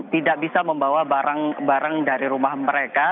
tidak bisa membawa barang barang dari rumah mereka